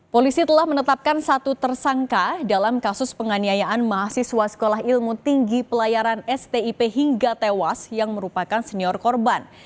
polisi telah menetapkan satu tersangka dalam kasus penganiayaan mahasiswa sekolah ilmu tinggi pelayaran stip hingga tewas yang merupakan senior korban